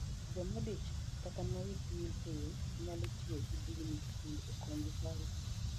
Jomodich kata ma wigi wil piyo, nyalo tiyo gi bugni mondo okonyji paro